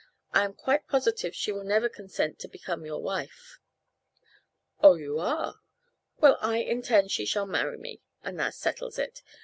I am quite positive she will never consent to become your wife." "Oh, you are? Well, I intend she shall marry me, and that settles it.